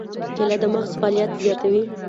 کېله د مغز فعالیت زیاتوي.